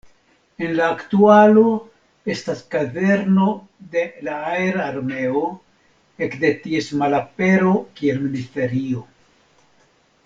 En la aktualo estas kazerno de la Aer-Armeo, ekde ties malapero kiel ministerio.